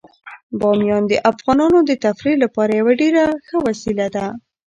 بامیان د افغانانو د تفریح لپاره یوه ډیره ښه وسیله ده.